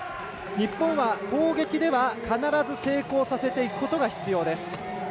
日本は攻撃では必ず成功させていくことが必要です。